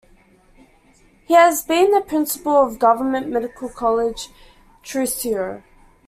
He has been the Principal of Government Medical College Thrissur.